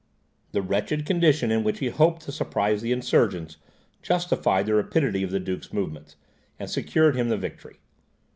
The wretched condition in which he hoped to surprise the insurgents, justified the rapidity of the duke's movements, and secured him the victory.